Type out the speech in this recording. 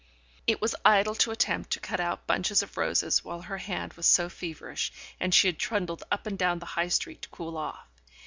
... It was idle to attempt to cut out bunches of roses while her hand was so feverish, and she trundled up and down the High Street to cool off.